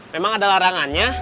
memang ada larangannya